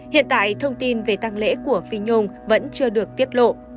hiện tại thông tin về tăng lễ của phi nhung vẫn chưa được tiết lộ